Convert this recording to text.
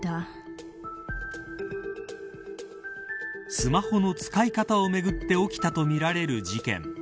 スマホの使い方をめぐって起きたとみられる事件。